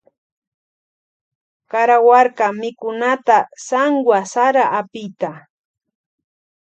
Karawarka mikunata sanwu sara apita.